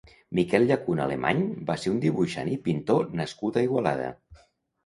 Miquel Llacuna Alemany va ser un dibuixant i pintor nascut a Igualada.